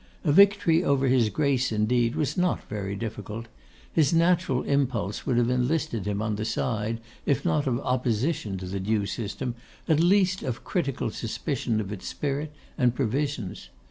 A victory over his Grace, indeed, was not very difficult. His natural impulse would have enlisted him on the side, if not of opposition to the new system, at least of critical suspicion of its spirit and provisions.